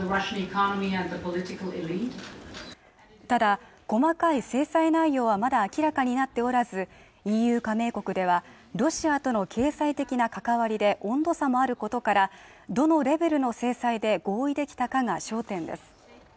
ただ細かい制裁内容はまだ明らかになっておらずＥＵ加盟国ではロシアとの経済的な関わりで温度差もあることからどのレベルの制裁で合意できたかが焦点です